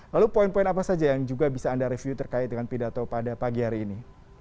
lalu poin poin apa saja yang juga bisa anda review terkait dengan pidato pada pagi hari ini